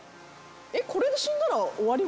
えっこれで死んだら終わり？